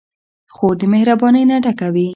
خور د مهربانۍ نه ډکه وي.